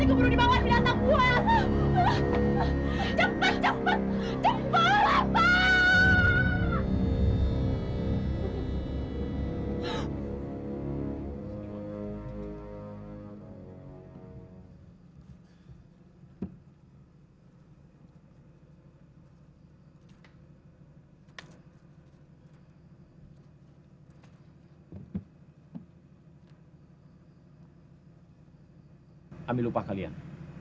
ambil lupah kalian